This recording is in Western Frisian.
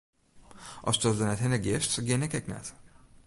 Asto der net hinne giest, gean ik ek net.